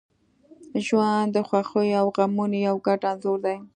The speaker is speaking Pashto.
• ژوند د خوښیو او غمونو یو ګډ انځور دی.